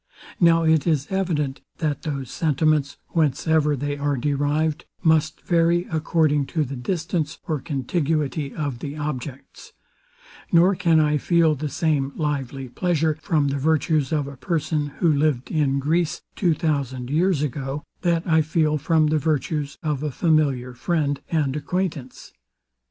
Now it is evident, that those sentiments, whence ever they are derived, must vary according to the distance or contiguity of the objects; nor can I feel the same lively pleasure from the virtues of a person, who lived in Greece two thousand years ago, that I feel from the virtues of a familiar friend and acquaintance.